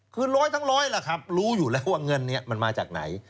คือร้อยทั้งร้อยล่ะครับรู้อยู่แล้วว่าเงินนี้มันมาจากไหน